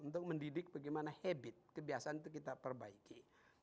untuk mendidik bagaimana habit kebiasaan itu kita perbaiki